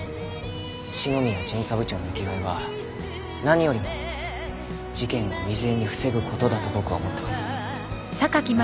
篠宮巡査部長の生きがいは何よりも事件を未然に防ぐ事だと僕は思ってます。